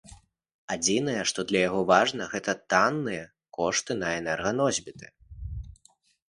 Адзінае, што для яго важна, гэта больш танныя кошты на энерганосьбіты.